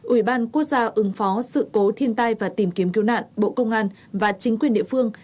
ủy ban quốc gia ứng phó sự cố thiên tai và tìm kiếm cứu nạn bộ công an và chính quyền địa phương